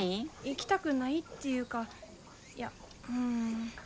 行きたくないっていうかいやうん。